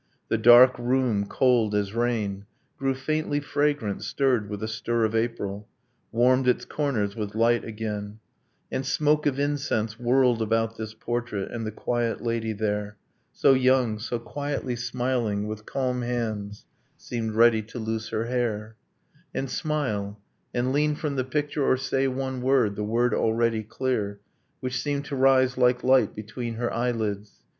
The dark room, cold as rain, Grew faintly fragrant, stirred with a stir of April, Warmed its corners with light again, And smoke of incense whirled about this portrait, And the quiet lady there, So young, so quietly smiling, with calm hands, Seemed ready to loose her hair, And smile, and lean from the picture, or say one word, The word already clear, Which seemed to rise like light between her eyelids